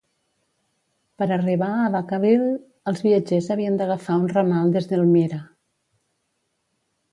Per arribar a Vacaville, els viatgers havien d'agafar un ramal des d'Elmira.